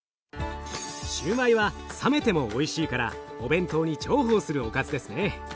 シューマイは冷めてもおいしいからお弁当に重宝するおかずですね。